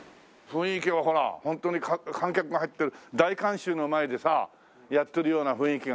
雰囲気はほらホントに観客が入ってる大観衆の前でやってるような雰囲気がさ。